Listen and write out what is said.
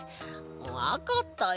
わかったよ。